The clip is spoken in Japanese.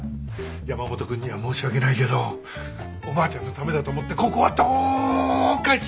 山本君には申し訳ないけどおばあちゃんのためだと思ってここはどか一つ！